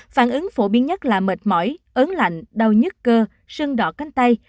phản ứng phổ biến nhất là mệt mỏi ớn lạnh đau nhứt cơ sơn đỏ cánh tay